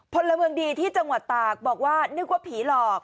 พลเมืองดีที่จังหวัดตากบอกว่านึกว่าผีหลอก